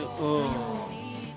うん。